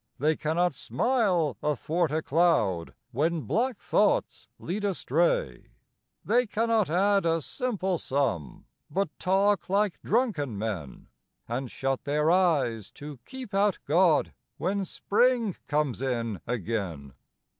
They cannot smile athwart a cloud, When black thoughts lead astray; They cannot add a simple sum, But talk like drunken men, And shut their eyes to keep out God When spring comes in again.